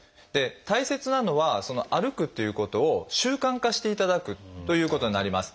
大切なのはその歩くということを習慣化していただくということになります。